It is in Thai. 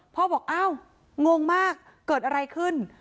บอกอ้าวงงมากเกิดอะไรขึ้น